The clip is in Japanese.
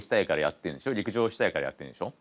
陸上したいからやってんでしょ？